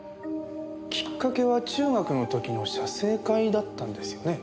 きっかけは中学の時の写生会だったんですよね？